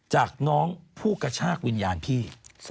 จากน้องผู้กระชากวิญญาณพี่